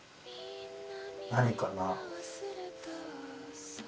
何かな？